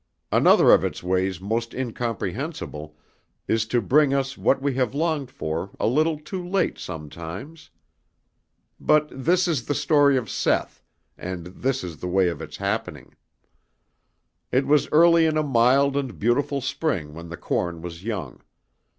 Another of its ways most incomprehensible is to bring us what we have longed for a little too late sometimes. But this is the story of Seth, and this is the way of its happening: It was early in a mild and beautiful spring when the corn was young.